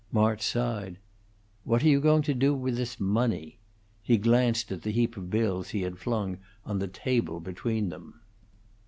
March sighed. "What are you going to do with this money?" He glanced at the heap of bills he had flung on the table between them.